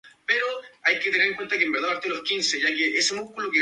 Pero no está en el álbum porque teníamos demasiadas canciones".